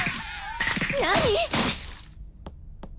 何！？